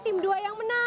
tim dua yang menang